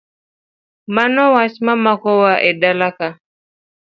Mano wach momako wa edalaka.